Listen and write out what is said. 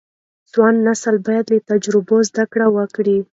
ځوان نسل باید له تجربو زده کړه وکړي.